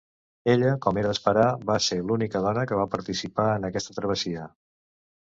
Ella, com era d'esperar, va ser l'única dona que va participar en aquesta travessia.